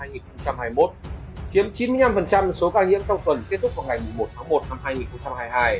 chiếm chín mươi năm số ca nhiễm trong tuần kết thúc vào ngày một tháng một năm hai nghìn hai mươi hai